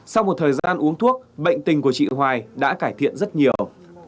sau một thời gian uống thuốc bệnh tình của chị hoài đã cải thiện rất nhiều